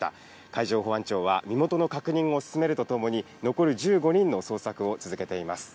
海上保安庁は身元の確認を進めるとともに残る１５人の捜索を続けています。